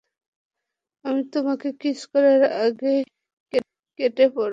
আমি তোমাকে কিস করার আগেই কেটে পড়ো!